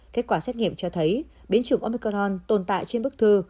kết quả xét nghiệm cho thấy biến chủng omicron tồn tại trên bức thư